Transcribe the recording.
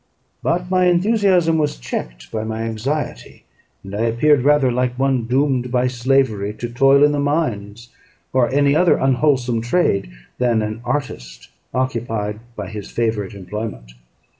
But my enthusiasm was checked by my anxiety, and I appeared rather like one doomed by slavery to toil in the mines, or any other unwholesome trade, than an artist occupied by his favourite employment.